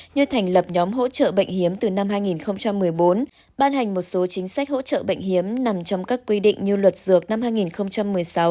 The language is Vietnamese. như thành lập nhóm hỗ trợ bệnh hiếm từ năm hai nghìn một mươi bốn ban hành một số chính sách hỗ trợ bệnh hiếm nằm trong các quy định như luật dược năm hai nghìn một mươi sáu